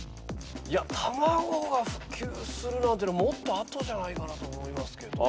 卵が普及するなんていうのはもっと後じゃないかなと思いますけど。